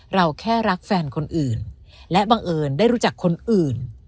เราแค่รักแฟนคนอื่นและบังเอิญได้รู้จักคนอื่น